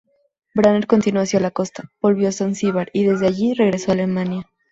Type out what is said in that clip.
Brenner continuó hacia la costa, volvió a Zanzíbar y desde allí regresó a Alemania.